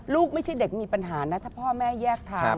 ไม่ใช่เด็กมีปัญหานะถ้าพ่อแม่แยกทาง